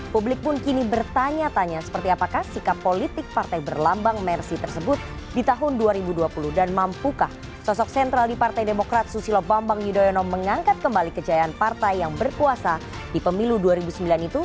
publik pun kini bertanya tanya seperti apakah sikap politik partai berlambang mersi tersebut di tahun dua ribu dua puluh dan mampukah sosok sentral di partai demokrat susilo bambang yudhoyono mengangkat kembali kejayaan partai yang berkuasa di pemilu dua ribu sembilan itu